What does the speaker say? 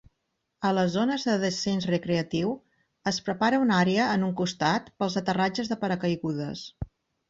A les zones de descens recreatiu, es prepara una àrea en un costat pels aterratges de paracaigudes.